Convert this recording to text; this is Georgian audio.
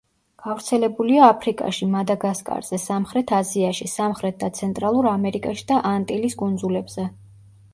გავრცელებულია აფრიკაში, მადაგასკარზე, სამხრეთ აზიაში, სამხრეთ და ცენტრალურ ამერიკაში და ანტილის კუნძულებზე.